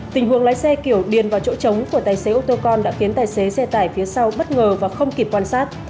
tình huống lái xe kiểu điền vào chỗ trống của tài xế ô tô con đã khiến tài xế xe tải phía sau bất ngờ và không kịp quan sát